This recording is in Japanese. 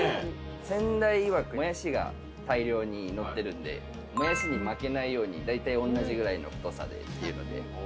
先代いわくもやしが大量にのってるんでもやしに負けないように大体同じぐらいの太さでっていうので。